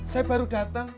saya baru datang